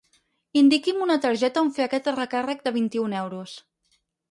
Indiqui'm una targeta on fer aquest recàrrec de vint-i-un euros.